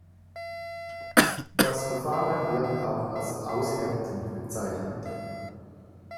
Das Verfahren wird auch als "Aushärten" bezeichnet.